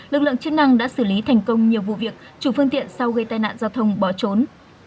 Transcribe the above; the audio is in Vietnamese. lực lượng chức năng đã xử lý thành công nhiều vụ việc chủ phương tiện sau gây tai nạn giao thông bỏ trốn